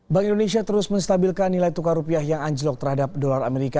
bank indonesia terus menstabilkan nilai tukar rupiah yang anjlok terhadap dolar amerika